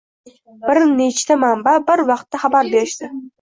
Bir nechta manba bir vaqtda xabar berishdi.